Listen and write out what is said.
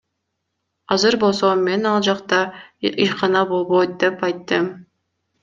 Азыр болсо мен ал жакта ишкана болбойт деп айттым.